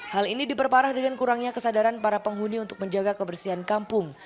hal ini diperparah dengan kurangnya kesadaran para penghuni untuk menjaga kebersihan kampung